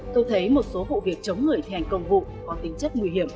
tôi thấy một số vụ việc chống người thi hành công vụ có tính chất nguy hiểm